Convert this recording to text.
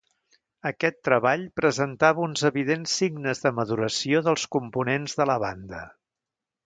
Aquest treball presentava uns evidents signes de maduració dels components de la banda.